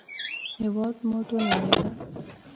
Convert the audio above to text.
هېواد مو ټولنه ده